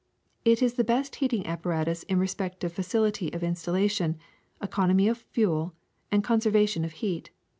It is the best heating apparatus in respect to facility of installation, economy of fuel, and conservation of heat.